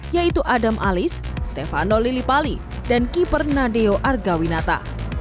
yaitu adam alis stefano lilipali dan keeper nadia